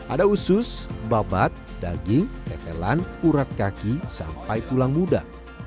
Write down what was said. ada usus babat daging tetelan urat kaki sampai tulang muda